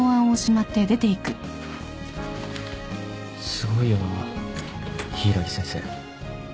すごいよな柊木先生。